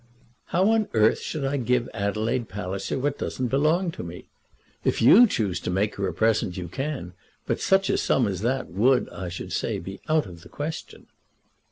"How on earth should I give Adelaide Palliser what doesn't belong to me? If you choose to make her a present, you can, but such a sum as that would, I should say, be out of the question."